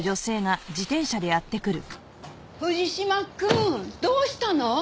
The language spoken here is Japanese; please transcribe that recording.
藤島くんどうしたの？